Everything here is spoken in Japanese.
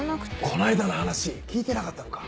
この間の話聞いてなかったのか？